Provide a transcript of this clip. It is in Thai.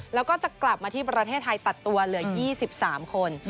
แล้วก็จะกลับมาที่ประเทศไทยตัดตัวเหลือ๒๓คน